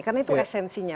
karena itu esensinya